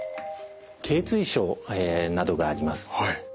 頚椎症などがあります。